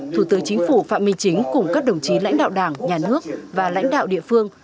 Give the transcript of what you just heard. thủ tướng chính phủ phạm minh chính cùng các đồng chí lãnh đạo đảng nhà nước và lãnh đạo địa phương